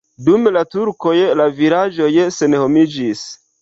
Dum la turkoj la vilaĝoj senhomiĝis.